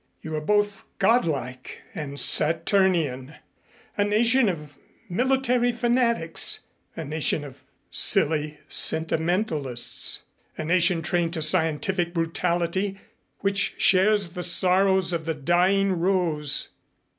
You are both godlike and Saturnian; a nation of military fanatics, a nation of silly sentimentalists; a nation trained to scientific brutality, which shares the sorrows of the dying rose.